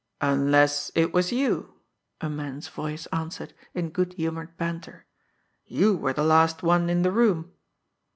"Unless, it was you," a man's voice answered in good humoured banter. "You were the last one in the room."